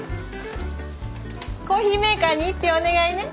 コーヒーメーカーに１票お願いね。